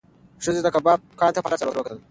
ښځې د کبابي دوکان ته په حسرت سره وکتل.